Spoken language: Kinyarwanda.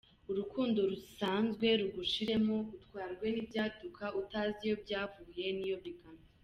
Urukundo rusanzwe rugushiremo, utwarwe n’ibyaduka utazi iyo byavuye n’iyo bigana.